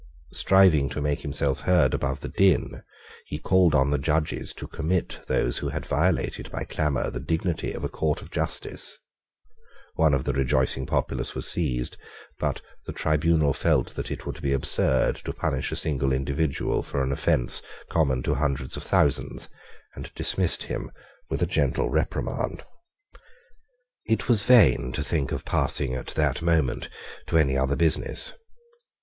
Striving to make himself heard above the din, he called on the judges to commit those who had violated, by clamour, the dignity of a court of justice. One of the rejoicing populace was seized. But the tribunal felt that it would be absurd to punish a single individual for an offence common to hundreds of thousands, and dismissed him with a gentle reprimand. It was vain to think of passing at that moment to any other business.